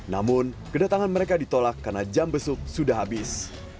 namun kedatangan mereka ditolak karena jam besuk sudah habis